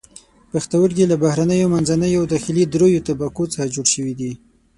پښتورګي له بهرنیو، منځنیو او داخلي دریو طبقو څخه جوړ شوي دي.